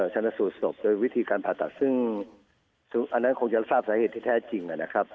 ชนะสูตรศพโดยวิธีการผ่าตัดซึ่งอันนั้นคงจะทราบสาเหตุที่แท้จริงนะครับ